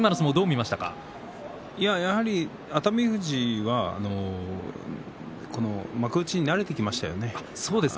やはり熱海富士は幕内に慣れてきましたよね。